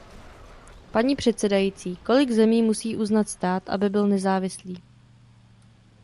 Paní předsedající, kolik zemí musí uznat stát, aby byl nezávislý?